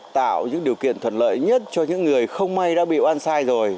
tạo những điều kiện thuận lợi nhất cho những người không may đã bị oan sai rồi